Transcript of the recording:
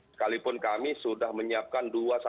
sekalipun kami sudah menyiapkan